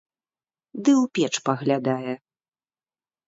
Ды ў печ паглядае.